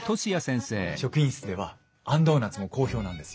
職員室ではあんドーナツも好評なんですよ。